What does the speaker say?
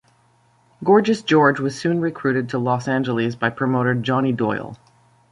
Gorgeous George was soon recruited to Los Angeles by promoter Johnny Doyle.